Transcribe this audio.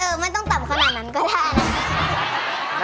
ไม่ต้องต่ำขนาดนั้นก็ได้นะ